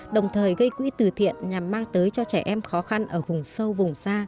đồng thời gây quỹ từ thiện nhằm mang tới cho trẻ em khó khăn ở vùng sâu vùng xa